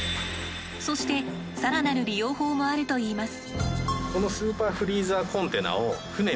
そして更なる利用法もあるといいます。